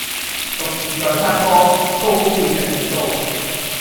獨自在山坡,高處食雪糕.